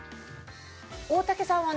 大竹さんはね